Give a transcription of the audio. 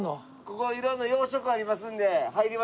ここは色んな洋食がありますので入りましょう。